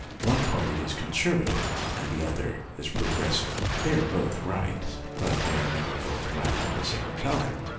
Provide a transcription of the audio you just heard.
One party is con servative, the other is progressive. They are both right, but they are never both right at the same time.